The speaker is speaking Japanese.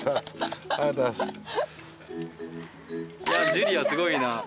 ジュリアすごいな。